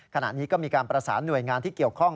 ขณะนี้ก็มีการประสานหน่วยงานที่เกี่ยวข้อง